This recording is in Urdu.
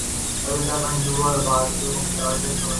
ہم ابھی تک 'ہندو‘ اور 'بھارتی‘ کو مترادف سمجھتے ہیں۔